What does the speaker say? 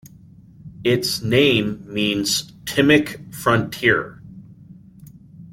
Its name means "Timok frontier".